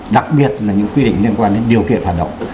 đặc biệt là những quy định liên quan đến điều kiện hoạt động